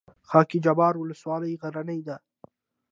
خاک جبار ولسوالۍ غرنۍ ده؟